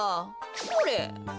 ほれ。